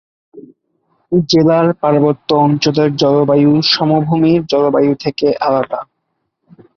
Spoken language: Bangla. জেলার পার্বত্য অঞ্চলের জলবায়ু সমভূমির জলবায়ু থেকে আলাদা।